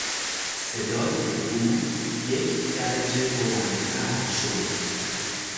صدای او یک درجه بلندتر شد.